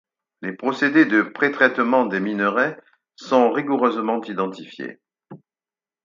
Les procédés de prétraitement des minerais sont rigoureusement identifiés.